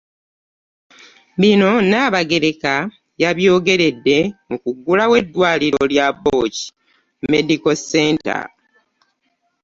Bino Nnaabagereka yabyogeredde mu kuggulawo eddwaliro lya BOCH Medical Center.